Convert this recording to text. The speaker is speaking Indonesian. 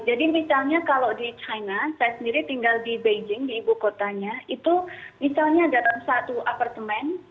jadi misalnya kalau di china saya sendiri tinggal di beijing di ibukotanya itu misalnya datang satu apartemen